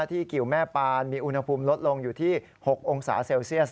กิวแม่ปานมีอุณหภูมิลดลงอยู่ที่๖องศาเซลเซียส